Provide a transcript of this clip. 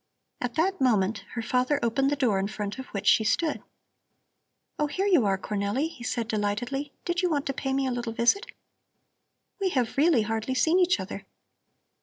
At that moment her father opened the door in front of which she stood. "Oh, here you are, Cornelli," he said delightedly. "Did you want to pay me a little visit? We have really hardly seen each other.